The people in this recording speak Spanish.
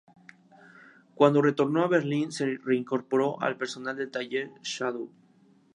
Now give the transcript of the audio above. Cuando retornó a Berlín, se reincorporó al personal del taller de Schadow.